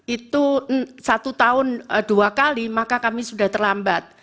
itu satu tahun dua kali maka kami sudah terlambat